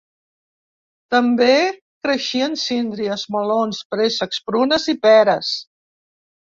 També creixien síndries, melons, préssecs, prunes i peres.